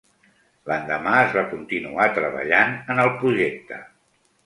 L'endemà es va continuar treballant en el projecte.